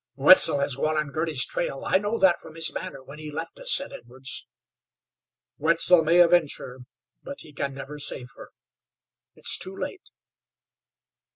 "Wetzel has gone on Girty's trail. I know that from his manner when he left us," said Edwards. "Wetzel may avenge her, but he can never save her. It's too late.